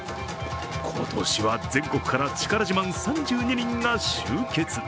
今年は全国から力自慢３２人が集結。